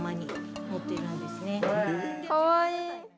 かわいい。